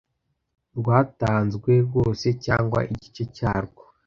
rwatanzwe rwose cyangwa igice cyarwo